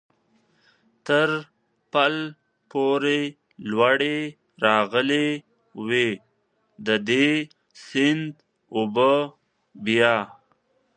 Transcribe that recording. تر پل پورې لوړې راغلې وې، د دې سیند اوبه بیا.